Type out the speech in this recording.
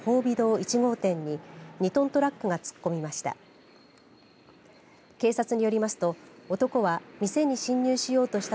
１号店に２トントラックが突っ込みました。